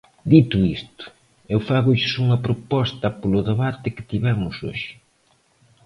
Dito isto, eu fágolles unha proposta polo debate que tivemos hoxe.